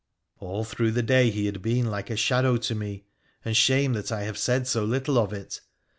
All through the day he had been like a shadow to me — and shame that I have said so little of it